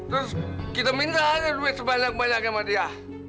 terus kita minta ada duit sebanyak banyaknya sama dia